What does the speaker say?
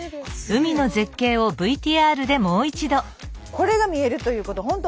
これが見えるということ本当